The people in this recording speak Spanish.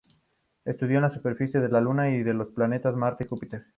Estudió las superficies de la Luna y de los planetas Marte y Júpiter.